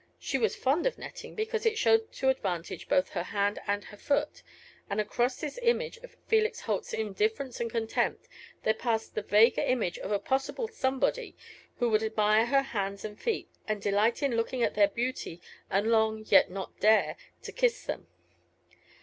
She was fond of netting, because it showed to advantage both her hand and her foot; and across this image of Felix Holt's indifference and contempt there passed the vaguer image of a possible somebody who would admire her hands and feet, and delight in looking at their beauty, and long, yet not dare, to kiss them.